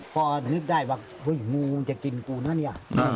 พอนึกได้ว่ามู๊วพร้อมจะขิดกูนะนี่